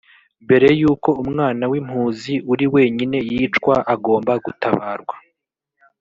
mbere y uko umwana w impuzi uri wenyine yicwa agomba gutabarwa